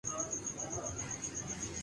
نہیں ملتی، ڈبل روٹی بھی مفقود تھی۔